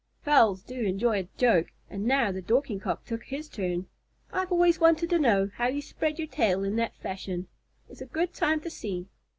Fowls do enjoy a joke, and now the Dorking Cock took his turn. "I've always wanted to know how you spread your tail in that fashion. It's a good time to see."